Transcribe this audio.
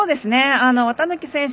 綿貫選手